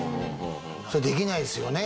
それできないですよね